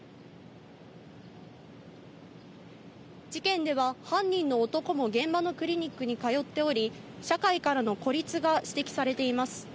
事件では、犯人の男も現場のクリニックに通っており、社会からの孤立が指摘されています。